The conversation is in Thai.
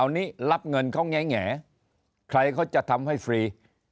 อันนี้รับเงินเขาแง่ใครเขาจะทำให้ฟรี